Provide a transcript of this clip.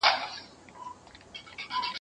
پر همدغه ځای دي پاته دښمني وي